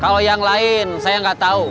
kalau yang lain saya nggak tahu